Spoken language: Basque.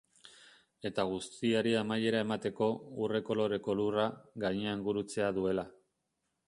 Eta guztiari amaiera emateko, urre koloreko lurra, gainean Gurutzea duela.